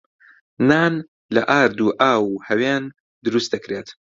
نان لە ئارد و ئاو و هەوێن دروست دەکرێت.